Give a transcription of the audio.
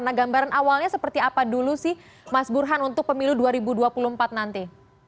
nah gambaran awalnya seperti apa dulu sih mas burhan untuk pemilu dua ribu dua puluh empat nanti